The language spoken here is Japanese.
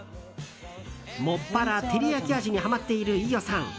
もっぱら照り焼き味にハマっている飯尾さん。